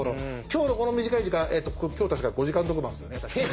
今日のこの短い時間今日確か５時間特番ですよね？